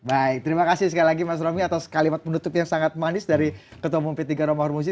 baik terima kasih sekali lagi mas romy atas kalimat penutup yang sangat manis dari ketua umum p tiga romahur muzi